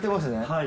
はい。